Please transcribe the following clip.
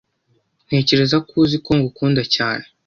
Ntekereza ko uzi ko ngukunda cyane.